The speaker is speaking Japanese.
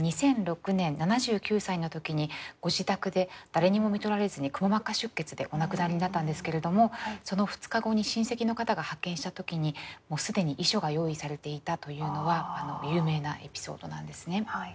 ２００６年７９歳の時にご自宅で誰にもみとられずにくも膜下出血でお亡くなりになったんですけれどもその２日後に親戚の方が発見した時に既に遺書が用意されていたというのは有名なエピソードなんですね。